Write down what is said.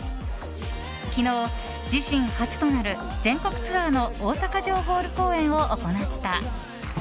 昨日、自身初となる全国ツアーの大阪城ホール公演を行った。